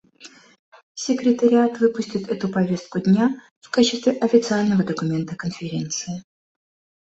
Секретариат выпустит эту повестку дня в качестве официального документа Конференции.